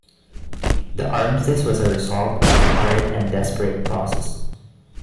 The Armistice was the result of a hurried and desperate process.